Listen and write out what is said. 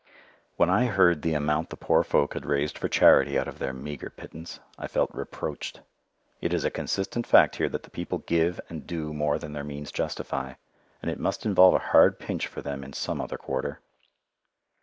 When I heard the amount the poor folk had raised for charity out of their meagre pittance, I felt reproached. It is a consistent fact here that the people give and do more than their means justify, and it must involve a hard pinch for them in some other quarter.